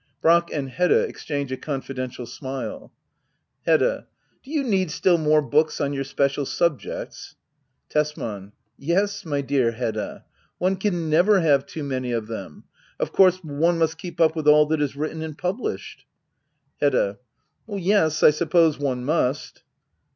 [Brack and Hedda exchange a confidential smile, Hedda. Do you need still more books on your special subjects ? Tesman. Yes^ my dear Hedda^ one can never have too many of them. Of course one must keep up with all that is written and published. Hedda. Yes, I suppose one must.